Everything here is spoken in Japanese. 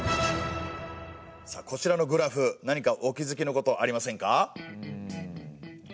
さあこちらのグラフ何かお気づきのことありませんか？